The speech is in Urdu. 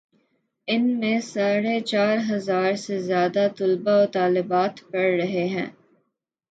ان میں ساڑھے چار ہزار سے زیادہ طلبا و طالبات پڑھ رہے ہیں۔